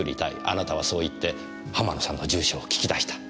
あなたはそう言って浜野さんの住所を聞き出した。